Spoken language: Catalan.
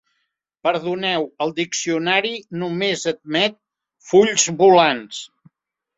Perdoneu, al diccionari només admet fulls volants.